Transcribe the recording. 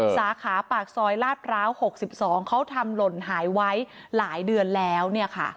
สาขาปากซอยลาดพร้าว๖๒เขาทำหล่นหายไว้หลายเดือนแล้ว